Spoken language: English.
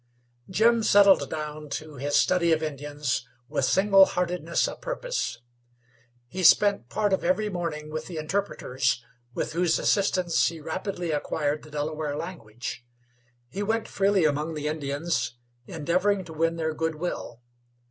Jim settled down to his study of Indians with single heartedness of purpose. He spent part of every morning with the interpreters, with whose assistance he rapidly acquired the Delaware language. He went freely among the Indians, endeavoring to win their good will.